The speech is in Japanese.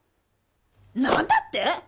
何だって⁉